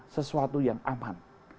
sesuatu yang aman